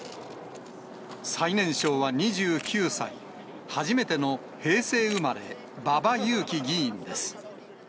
最年少は２９歳、初めての平成生まれ、馬場雄基議員です。